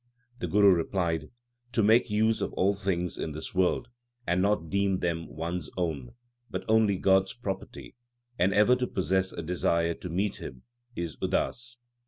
The Guru replied : To make use of all things in this world and not deem them one s own, but only God s property, and ever to possess a desire to meet Him is udas.